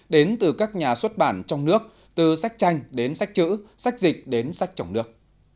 đến từ các nhà xuất bản trong nước từ sách tranh đến sách chữ sách dịch đến sách trong nước